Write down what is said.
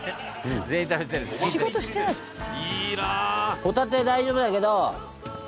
ホタテ大丈夫だけど。